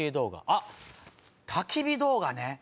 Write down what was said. あったき火動画ね。